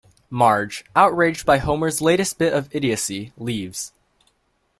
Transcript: Marge, outraged by Homer's latest bit of idiocy, leaves.